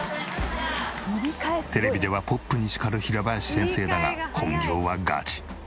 テレビではポップに叱る平林先生だが本業はガチ。